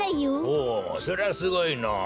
ほうそりゃすごいのう。